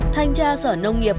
thành tra sở nông nghiệp và pháp